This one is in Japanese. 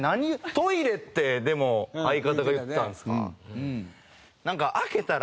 トイレってでも相方が言ったんですか。